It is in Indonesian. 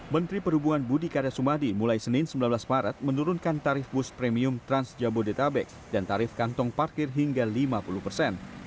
menteri perhubungan budi karya sumadi mulai senin sembilan belas maret menurunkan tarif bus premium trans jabodetabek dan tarif kantong parkir hingga lima puluh persen